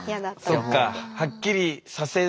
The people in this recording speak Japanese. そっか。